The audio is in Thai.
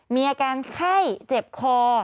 มีอาการไข้เจ็บคอ